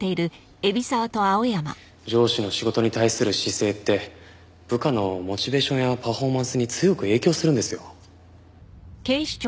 上司の仕事に対する姿勢って部下のモチベーションやパフォーマンスに強く影響するんですよ。